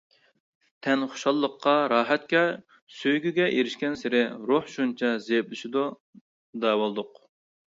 تەن خۇشاللىققا، راھەتكە، سۆيگۈگە ئېرىشكەنسېرى روھ شۇنچە زەئىپلىشىدۇ، دەۋالدۇق.